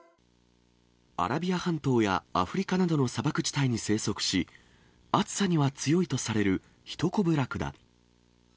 アラビア半島やアフリカなどの砂漠地帯に生息し、暑さには強いとされるヒトコブラクダ。